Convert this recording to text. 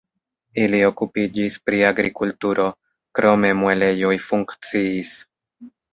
Ili okupiĝis pri agrikulturo, krome muelejoj funkciis.